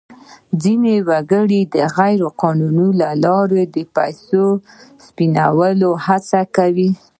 ځینې وګړي د غیر قانوني لارو څخه د پیسو سپینولو هڅه کوي.